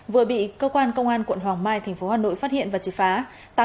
vừa bị cơ quan công an quận hoàng mai tp hcm phát hiện và trị phá